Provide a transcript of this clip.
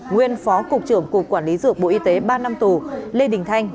nguyên phó cục trưởng cục quản lý dược bộ y tế ba năm tù lê đình thanh